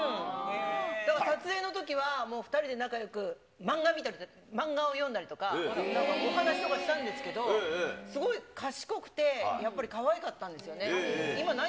だから撮影のときはもう２人で仲よく、漫画を読んだりとか、なんかお話とかしたんでしたけど、すごい賢くて、やっぱりかわいかったんですよね。